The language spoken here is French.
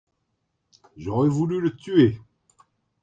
J'aurais voulu le tuer.